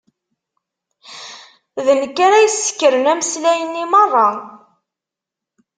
D nekk ara yessekren ameslay-nni merra.